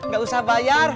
gak usah bayar